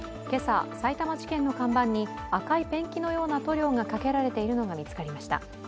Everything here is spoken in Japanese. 今朝、さいたま地検の看板に赤いペンキのような塗料がかけられているのが見つかりました。